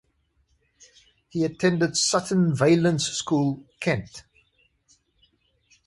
He attended Sutton Valence School, Kent.